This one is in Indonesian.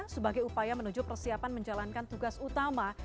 sebagai upaya menuju persiapan menjalankan tugas utama